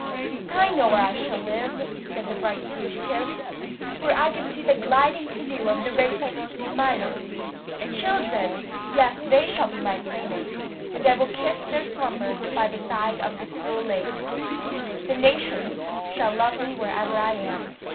"I know where I shall live," said the bright fugitive "where I can see the gliding canoe of the race I most admire. Children! yes, they shall be my playmates, and I will kiss their slumber by the side of cool lakes. The nation shall love me wherever I am."